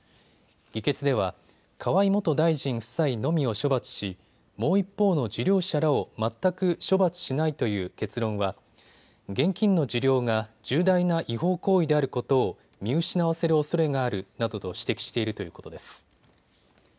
議決では河井元大臣夫妻のみを処罰しもう一方の受領者らを全く処罰しないという結論は現金の受領が重大な違法行為であることを見失わせるおそれがあるなどと指摘しているということです。